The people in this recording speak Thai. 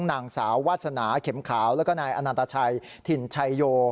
นางสาววาสนาเข็มขาวแล้วก็นายอนันตชัยถิ่นชัยโย